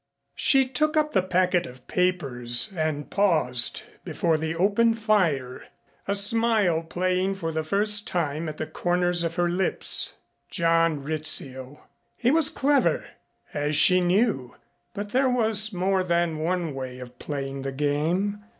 She took up the packet of papers and paused before the open fire, a smile playing for the first time at the corners of her lips. John Rizzio! He was clever, as she knew, but there was more than one way of playing the game.